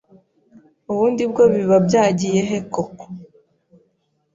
Ubundi bwo biba byagiyehe koko